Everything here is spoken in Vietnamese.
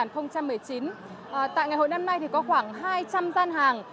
tại ngày hội năm nay thì có khoảng hai trăm linh gian hàng